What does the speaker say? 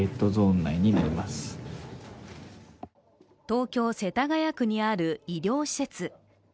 東京・世田谷区にある医療施設。